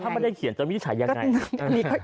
แล้วถ้าไม่ได้เขียนตรงวินิจฉัยยังไง